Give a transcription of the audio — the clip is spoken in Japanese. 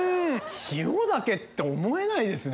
塩だけって思えないですね